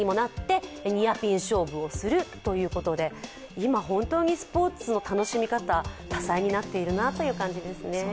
今、本当にスポーツの楽しみ方、多彩になっているなという感じですね。